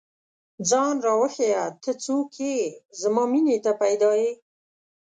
ځان راوښیه، ته څوک ئې؟ زما مینې ته پيدا ې